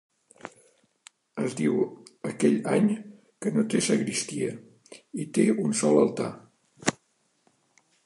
Es diu, aquell any, que no té sagristia, i té un sol altar.